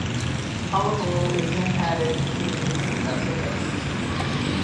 Olive oil is then added until the mixture becomes a paste.